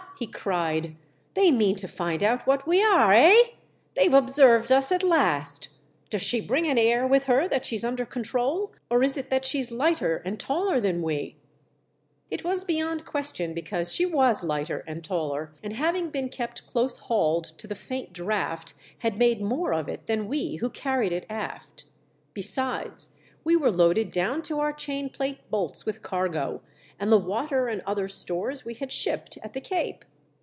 he cried, "they mean to find out what we are, hey ? They've observed us at last. Does she bring an air with her that she's under control, or is it that she's lighter and taller than we ?" It was beyond question because she was WE DRAW CLOSE TO A STRANGE SHIP. 69 lighter and taller, and having been kept close hauled to the faint draught had made more of it than we who carried it aft. Besides, we were loaded down to our chain plate bolts with cargo, and the water and other stores we had shipped at the Cape.